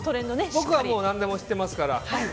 僕は何でも知ってますから。